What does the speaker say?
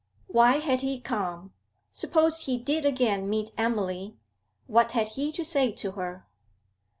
Why had he come? Suppose he did again meet Emily, what had he to say to her?